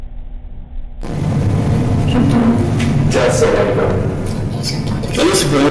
Telha lbenna n waman-nni.